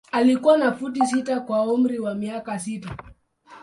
Alikuwa na futi sita kwa umri wa miaka sita.